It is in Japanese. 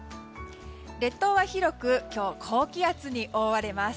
列島は広く今日は高気圧に覆われます。